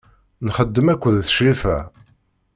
Nxeddem akked Crifa.